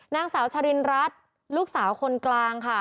นางสาวชรินรัฐลูกสาวคนกลางค่ะ